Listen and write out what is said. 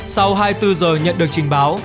sau hai mươi bốn h nhận được trình báo